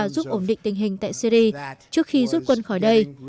giúp ổn định tình hình tại syri trước khi rút quân khỏi đây